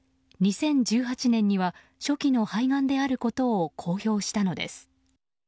２０１８年には初期の肺がんであることを公表したのです。